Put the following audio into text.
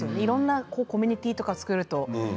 いろんなコミュニティーを作ると。